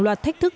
loạt thách thức